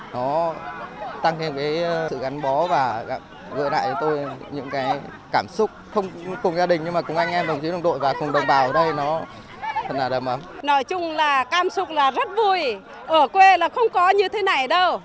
nói chung là cảm xúc là rất vui ở quê là không có như thế này đâu